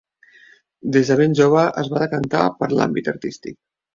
Des de ben jove es va decantar per l'àmbit artístic.